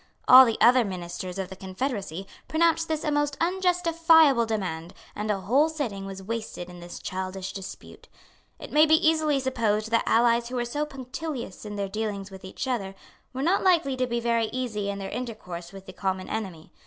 All the other Ministers of the Confederacy pronounced this a most unjustifiable demand, and a whole sitting was wasted in this childish dispute. It may easily be supposed that allies who were so punctilious in their dealings with each other were not likely to be very easy in their intercourse with the common enemy.